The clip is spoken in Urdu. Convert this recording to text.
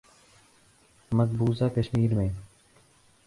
مقبوضہ کشمیر میں